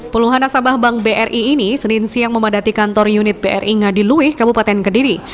puluhan nasabah bank bri ini senin siang memadati kantor unit bri ngadiluih kabupaten kediri